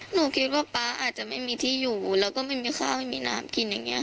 หนูคิดว่าป๊าอาจจะไม่มีที่อยู่แล้วก็ไม่มีข้าวไม่มีน้ำกินอย่างนี้